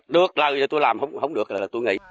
được là tôi làm không được là tôi nghỉ